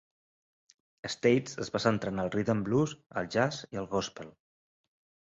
States es va centrar en el "rhythm and blues", el jazz i el gòspel.